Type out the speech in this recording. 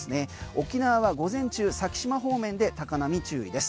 沖縄、午前中先島方面で高波注意です。